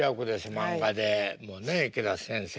漫画でもね池田先生の。